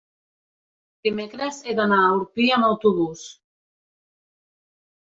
dimecres he d'anar a Orpí amb autobús.